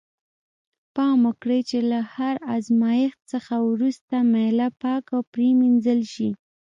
پام وکړئ چې له هر آزمایښت څخه وروسته میله پاکه پرېمینځل شي.